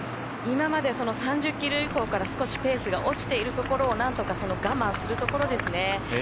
今まで３０キロ以降から少しペースが落ちているというところを何とか我慢するところですね。